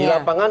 iya di lapangan